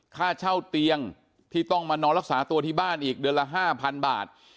ค่าเช่าเตียงที่ต้องมานอนรักษาตัวที่บ้านอีกเดือนละ๕๐๐๐บาท